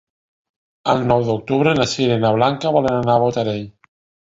El nou d'octubre na Sira i na Blanca volen anar a Botarell.